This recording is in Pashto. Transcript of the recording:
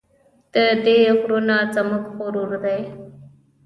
د دې غرونه زموږ غرور دی